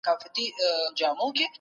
عدالت د ټولو لپاره یو دی.